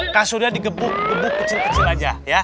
kasurnya digebuk gebuk kecil kecil aja